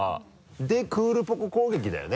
でクールポコ攻撃だよね。